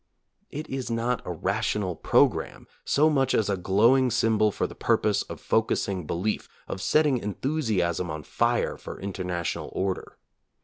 It is not a rational pro gramme so much as a glowing symbol for the pur pose of focusing belief, of setting enthusiasm on fire for international order.